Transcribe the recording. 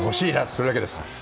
それだけです。